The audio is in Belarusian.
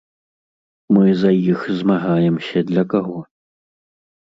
Мы за іх змагаемся для каго?